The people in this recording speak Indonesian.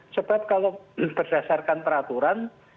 sebab kalau berdasarkan peraturan